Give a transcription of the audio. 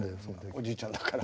おじいちゃんだから。